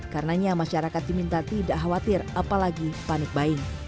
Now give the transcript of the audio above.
karenanya masyarakat tim minta tidak khawatir apalagi panik bai